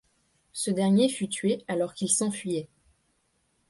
Ce dernier fut tué alors qu'il s'enfuyait.